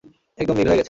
একদম নীল হয়ে গেছে।